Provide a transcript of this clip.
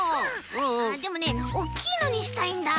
ああでもねおっきいのにしたいんだ。